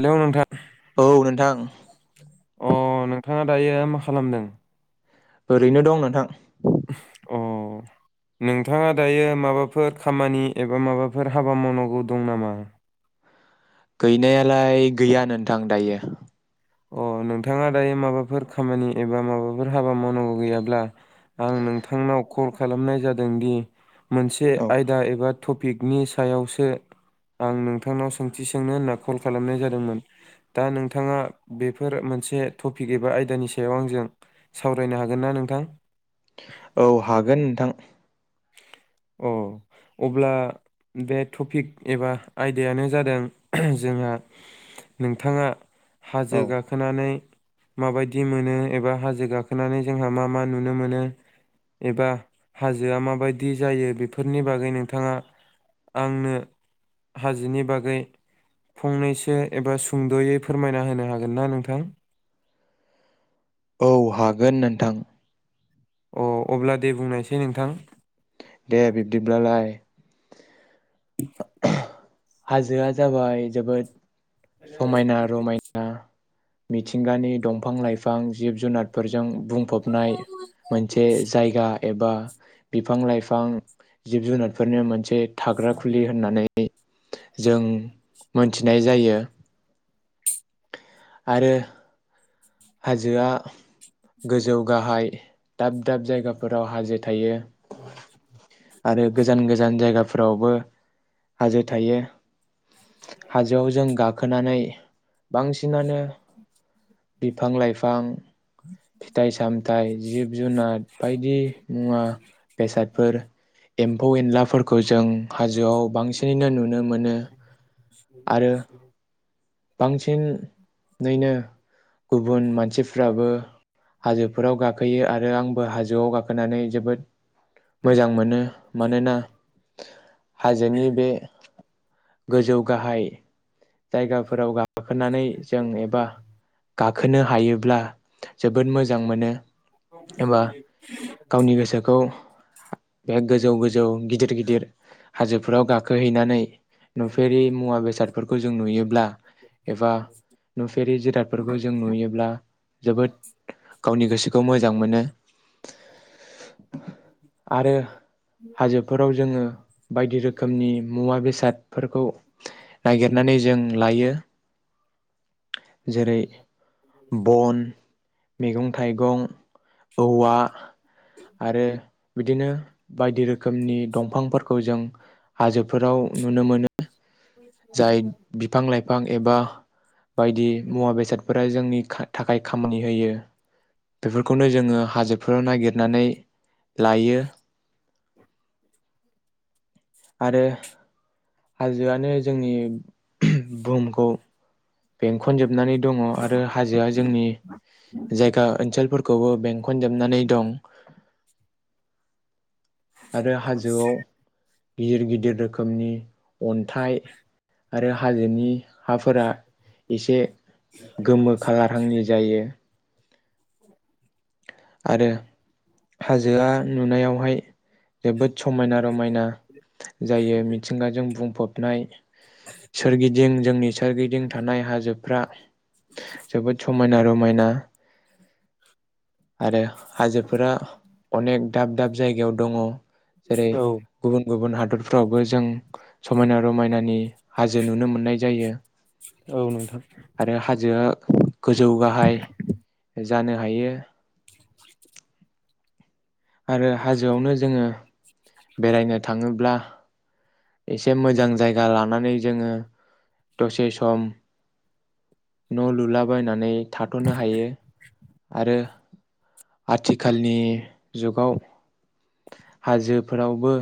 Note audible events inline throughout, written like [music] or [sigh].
Hello नोंथां औ नोंथां अ नोंथांङा दायो मा खालामदों? ओरैनो दं नोंथां। उम नोंथांङा दायो माबाफोर खामानि एबा माबाफोर हाबा मावनांगौ दं नामा? गैनायालाय गैया नोनथां दायो। अ नोंथांङा दायो माबाफोर खामानि एबा माबाफोर हाबा मावनांगौ गैयाब्ला आं नोंथांनाव कल खालामनाय जादोंदि मोनसे औ आयदा एबा टपिकनि सायावसो आं नोंथांनाव सोंथि सोंनो होनना कल खालामनाय जादोंमोन, दा नोंथांङा बेफोर मोनसे टपिक एबा आयदानि सायाव आंजों सावरायनो हागोन ना नोंथां? औ हागोन नोंथां अ अब्ला बे टपिक एबा आयदायानो जादों जोंहा नोंथांङा औ हाजो गाखोनानै माबायदि मोनो एबा हाजो गाखोनानै जोंहा मा मा नुनो मोनो एबा हाजोआ मा बायदि जायो बेफोरनि बागै नोंथांङा आंनो हाजोनि बागै फंनैसो एबा सुंद'यै फोरमायना होनो हागोन ना नोंथां? औ हागोन नोनथां। अ अब्ला दे बुंनायसै नोंथां दे बिब्दिब्लालाय [inaudible] हाजोआ जाबाय जोबोद समायना रमायना मिथिंगानि दंफां लाइफां जिब जुनारफोरजों बुंफबनाय मोनसे जायगा एबा बिफां लाइफां जिब जुनारफोरनो मोनसे थाग्रा खुलि होननानै यै जों मोनथिनाय जायो आरो हाजोआ गोजौ गाहाय दाब दाब जायगाफोराव हाजो थायो। [inaudible] आरो गोजान गोजान जायगाफोरावबो हाजो थायो। हाजोआव जों गाब खोनानै बांसिनानो बिफां लाइफां फिथाइ सामथाइ जिब जुनार बायदि मुवा बेसादफोर एम्फौ एनलाफोरखौ जों हाजोआव बांसिनैनो नुनो मोन नो आरो बांसिनैनो गुबुन मानसिफ्राबो हाजोफोराव गाखोयो आ रो आंबो हाजोआव गाखोनानै जोबोद मोजां मोनो मानोना हाजोनि बे गोजौ गाहाय जायगा फोराव गाखोनानै जों एबा खोनो हायोब्ला जोबोद मोजां मोनो एबा गावनि गोसोखौ बे गोजौ गोजौ गिदिर गिदिर हाजोफोराव गाखोहैनानै नुफेरि मुवा बेसाद खौ जों नुयोब्ला एबा नुफेरि जि बेसादफोरखौ जों नुयोब्ला जोबोद गावनि गोसोखौ मोजां मोनो आरो हाजोफोराव जोङो बायदि रोखोमनि मुवा बेसादफोरखौ नागिरनानै जों लायो जेरै बन मैगं थाइगं औवा आरो बिदिनो बायदि रोखोमनि दंफां फोर खौ जों हाजोफोराव नुनो मोनो जाय बिफां लाइफां फां एबा बायदि मुवा बेसादफोरा जोंनि थाखाय खामानि होयो बेफोरखौनो जोङो हाजोफोराव नागिरनानै लायो आरो हाजोआनो जोंनि [unintelligible] बुहुमखौ बेंखनजोबनानै दङ आरो हाजोआ जोंनि जायगा ओनसोलफोर खौ बेंखनजोबनानै दं आरो हाजोआव गिदिर गिदिर रोखोमनि अन्थाइ आरो हाजोनि हाफोरा एसे गोमो खालारहांनि जायो। आरो हाजोआ नुनायावहाय जोबोद समायना रमायना जायो मिथिंगाजों बुंफब नाय सोरगिदिं जोंनि सोरगिदिं थानाय हाजोफ्रा जोबोद समायना रंमायना आरो हाजोफोरा अनेक दाब दाब जायगायाव दङ जेरै औ गुबुन गुबुन हा दरफ्रावबो जों समायना रमायनानि हाजो नुनो मोननाय जायो। औ नोंथां आरो हाजोआ गोजौ गाहाय जानो हायो। आरो हाजोआवनो जोङो बेरायनो थाङोब्ला एसे मोजां जायगा लानानै जोङो दसे सम न' लुलाबायनानै थाथ'नो हायो आरो आथिखालनि जुगाव हाजोफोरावबो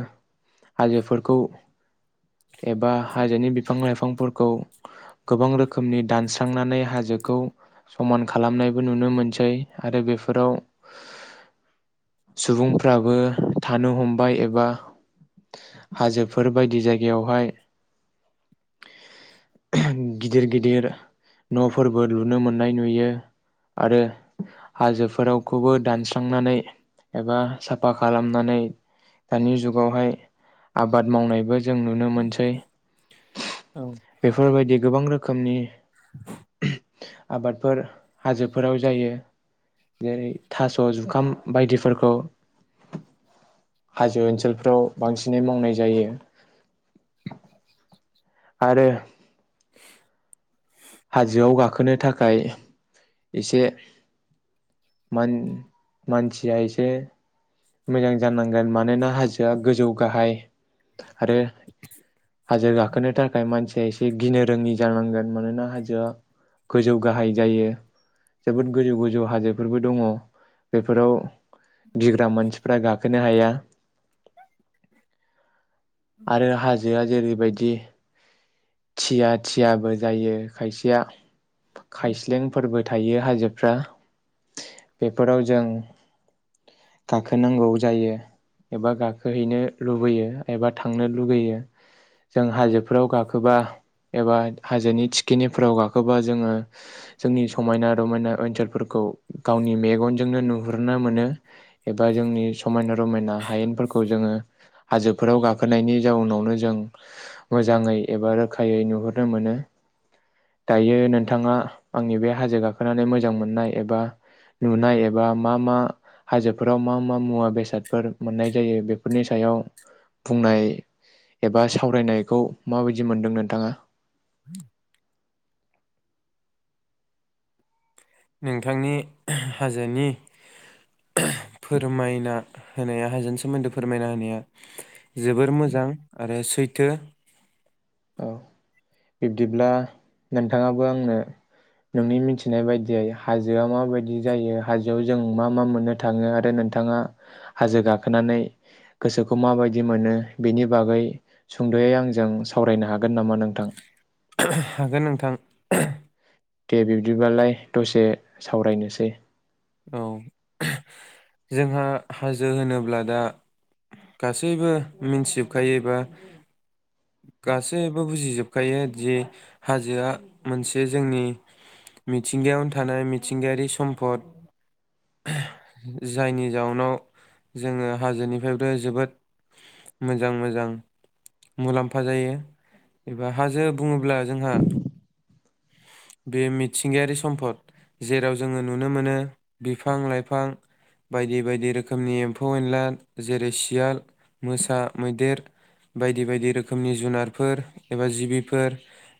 हाजोफोरखौ एबा हाजोनि बिफां लाइफांफोरखौ गोबां रोखोमनि दानस्रांनानै हाजोखौ समान खालामनायबो नुनो मोनसै आरो बेफोराव सुबुंफ्राबो थानो हमबाय एबा हाजोफोर बायदि जाय गायावहाय गिदिर गिदिर न'फोरबो लुनो मोननाय नुयो आरो हाजोफोरखौबो दानस्रांनानै एबा साफा खालामनानै दानि जुगावहाय आबाद मावनायबो जों नुनो मोनसै औ बेफोर बायदि गोबां रोखोम मनि [inaudible] आबादफोर हाजोफोराव जायो जेरै थास' जुखाम बायदिफोरखौ हाजो ओनसोलफ्राव बांसिनै मावनाय जायो आरो। हाजोआव गाखोनो थाखाय एसे मानसिया एसे मोजां जानांगोन मानोना हाजोआ गोजौ गाहाय आरो हाजो गाखोनो थाखाय मानसिया एसे गिनो रोङि जानांगोन मानोना हाजोआ गोजौ गाहाय जायो जोबोद गोजौ गोजौ हाजोफोरबो दङ बेफोराव गिग्रा मानसि फ्रा गाखोनो हाया। आरो हाजोआ जेरैबायदि थिया थियाबो जायो खायसेया खायस्लेंफोरबो थायो हाजोफ्रा बेफोराव जों गाखोनांगौ जायो एबा गाखोहैनो लुबैयो एबा थांनो लुुबैयो जों हाजोफोराव गाखोबा एबा हाजोनि थिखिनिफ्राव गाखोबा जोङो जोंनि समायना रमायना ओनसोलफोरखौ गावनि मेगनजोंनो नुहुरनो मोनो एबा जोंनि समायना रमायना हायेनफोरखौ जोङो हाजोफोराव गाखो खोनायनि जाउनावनो जों मोजाङै एबा रोखायै नुहुरनो मोनो दायो नोंथाङा आंनि बे हाजो गाखोनानै मोजां मोननाय एबा नुनाय एबा मा मा हाजोफोराव मा मा मुवा बेसादफोर मोननाय जायो बेफोरनि सायाव बुंनाय एबा सावरायनायखौ माबायदि मोनदों नोंथाङा [inaudible] नोंथांनि हाजोनि फोरमायना होनाया हाजोनि सोमोन्दै फोरमायना होनाया जोबोर मोजां आरो सैथो औ बिब्दिब्ला नोंथाङाबो आंनो नोंनि मिथिनाय बायदियै हाजोआ माबायदि जायो हाजोआव जों मा मा मोननो थाङो आरो नोंथाङा हाजो गाखोनानै गोसोखौ माबायदि मोनो बेनि बागै सुंद'यै आंजों सावरायनो हागोन नामा नोंथां? हागोन नोंथां। दे बिब्दिबालाय दसे सावरायनोसै औ जोंहा हाजो होनोब्ला दा गासैबो मिन्थिजोबखायोबा गासैबो बुजिजोबखायो जे हाजोआ मोनसे जोंनि मिथिंगायावनो थानाय मिथिंगायारि सम्फद। जायनि जाउनाव जोङो हाजोनिफ्रायबो जोबोद मोजां मोजां मुलाम्फा जायो एबा हाजो बुङोब्ला जोंहा बे मिथिंगायारि सम्पद जेराव जोङो नुनो मोनो बिफां लाइफां बायदि बायदि रोखोमनि एम्फौ एनला जेरै सियाल मोसा मैदेर बायदि बायदि रोखोमनि जुनारफोर एबा जिबिफोर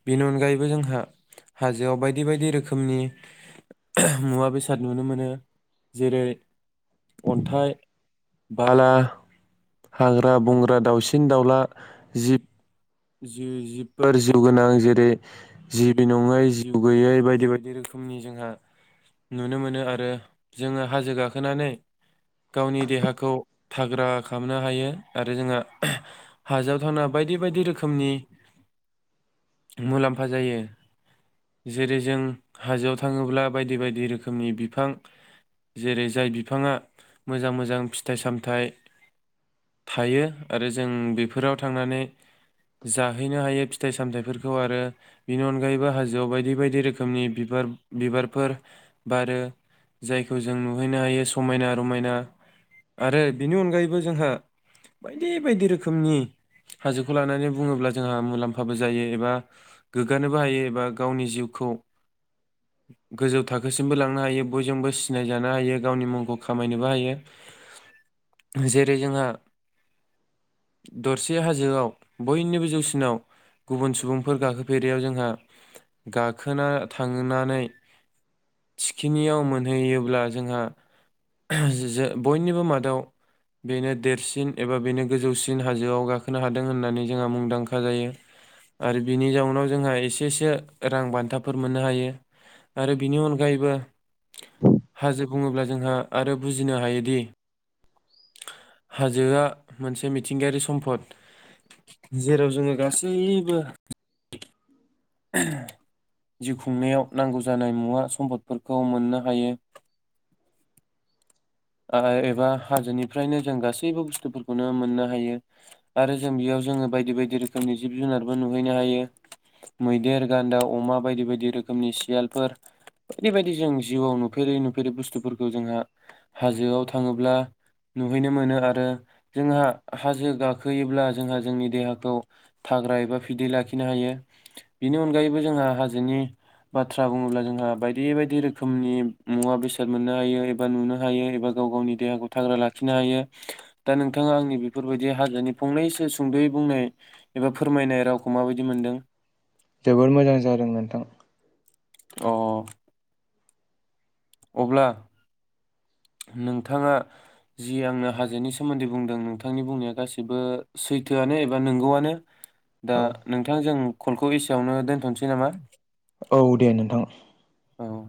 बेनि अनगायैबो जोंहा हाजोआव बायदि बायदि रोखोमनि मुवा बेसाद नुनो मोनो जेरै अन्थाइ, बाला, हाग्रा बंग्रा, दाउसिन दाउला, जिब जिउ जिबफोर जिउ गोनां जेरै जिबि नङै जिउ गैयै बायदि बायदि रोखोमनि जोंहा नुनो मोनो आरो जोङो हाजो गाखोनानै गावनि देहाखौ थाग्रा खालामनो हायो आरो जोंहा हाजावथावना बायदि बायदि रो खोमनि मुलाम्फा जायो जेरै जों हाजोआव थाङोब्ला बायदि बायदि रोखोमनि बिफां जेरै जाय बिफाङा मोजां मोजां फिथाइ सामथाइ थायो आरो जों बेफोराव थांनानै जाहैनो हायो फिथाइ सामथायाइफोरखौ आरो बिनि अनगायैबो हाजोआव बायदि बायदि रोखोमनि बिबार बिबारफोर बारो जायखौ जों नुहैनो हायो समायना रमायना आरो बिनि अनगायैबो जोंहा बायदि बायदि रोखोमनि हाजोखौ लानानै बुङोब्ला जोंहा मुलाम्फाबो जायो एबा गोगगानोबो हायो एबा गावनि जिउखौ गोजौ थाखोसिमबो लांनो हायो बयजोंबो सिनायजानो हायो गावनि मुंखौ खामायनोबो हायो जेरै जोंहा दरसे हाजोआव बयनिबो जौसिनाव गुबुन सुबुंफोर गाखोफेरियाव जोंहा गाखोना थांनानै थिखिनियाव मोनहैयोब्ला जोंहा बयनिबो मादाव बेनो देरसिन एबा बेनो गोजौसिन हाजोआव गाखोनो हादों होननानै जोंहा मुंदांखा जायो आरो बिनि जाउनाव जोंहा एसेसो रां बान्थाफोर मोननो हायो आरो बिनि अनगायैबो हाजो बुङोब्ला जोंहा आरो बुजिनो हायोदि हाजोआ मोनसे मिथिंगायारि सम्पद। जेराव जोङो गासैबो जिउ खुंनायाव नांगौ जानाय मुवा सम्फदफोरखौ मोननो हायो एबा हाजोनिफ्रायनो जों गासैबो बुस्थुफोरखौनो मोननो हायो आरो जों बेयाव जोङो बायदि बायदि रोखोमनि जिब जुनारबो नुहैनो हायो मैदेर, गान्दा, अमा बायदि बायदि रोखोमनि सियालफोर बायदि बायदि जों जिउआव नुफेरै नुफेरै बुस्थुफोरखौ जोंहा हाजोआव थाङोब्ला नुहैनो मोनो आरो जोंहा हाजो गाखोयोब्ला जोंहा जोंनि देहाखौ थाग्रा एबा फिदै लाखिनो हायो बेनि अनगायैबो जोंहा हाजोनि बाथ्रा बुङोब्ला जोंहा बायदि बायदि रोखोमनि मुवा बेसाद मोननो हायो एबा नुनो हायो एबा गाव गावनि देहाखौ थाग्रा लाखिनो हायो दा नोंथाङा आंनि बेफोरबायदि हाजोनि फंनैसो सुंदयै बुंनाय एबा फोरमायनाय रावखौ माबायदि मोन्दों? जोबोर मोजां जादों नोंथां। औ अब्ला नोंथाङा जि आंनो हाजोनि सोमोन्दै बुंदों नोंथांनि बुंनाया गासैबो सैथोआनो एबा नंगौआनो दा औ नोंथांजों कलखौ एसेयावनो दोनथनोसै नामा? औ दे नोंथां। औ